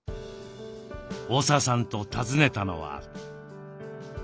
大澤さんと訪ねたのは。